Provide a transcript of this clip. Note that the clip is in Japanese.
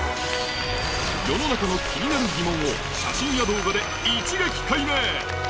世の中の気になる疑問を写真や動画で一撃解明！